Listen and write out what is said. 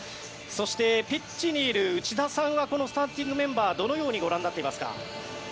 そしてピッチにいる内田さんはこのスターティングメンバーどのようにご覧になっていますか？